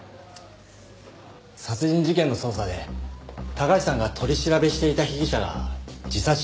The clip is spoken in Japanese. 殺人事件の捜査で高橋さんが取り調べしていた被疑者が自殺しちゃったんです。